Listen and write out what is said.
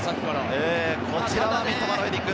こちらは三笘のヘディング。